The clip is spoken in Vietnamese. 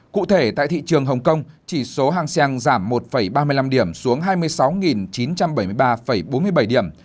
cụ thể tại thị trường hồng kông chỉ số hàng sen giảm một ba mươi năm điểm xuống hai mươi sáu chín trăm bảy mươi ba bốn mươi bảy điểm